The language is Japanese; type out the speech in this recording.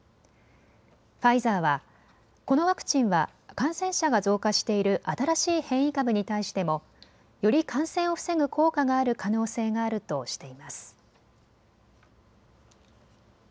ファイザーはこのワクチンは感染者が増加している新しい変異株に対してもより感染を防ぐ効果がある可能性があるとしています。